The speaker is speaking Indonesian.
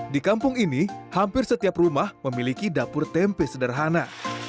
di kampung ini hampir setiap rumah memiliki dapur tempe sederhana